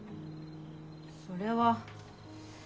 それは。